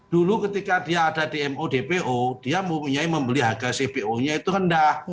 dulu ketika dia ada dmo dpo dia mempunyai membeli harga cpo nya itu rendah